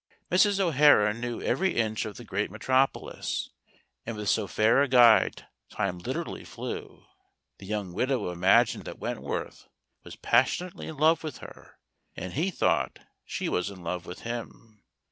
Mrs. O'Hara knew every inch of the great metrop¬ olis, and with so fair a guide time literally flew. The young widow imagined that Wentworth was passionately in love with her, and he thought she was in love with him.